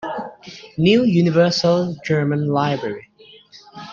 New Universal German Library.